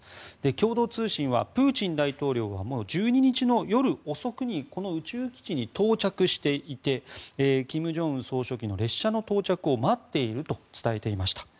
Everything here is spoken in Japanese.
共同通信はプーチン大統領は１２日の夜遅くにこの宇宙基地に到着していて金正恩総書記の列車の到着を待っていると伝えていました。